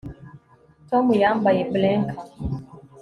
Tom yambaye blinker